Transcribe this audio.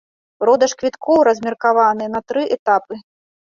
Продаж квіткоў размеркаваны на тры этапы.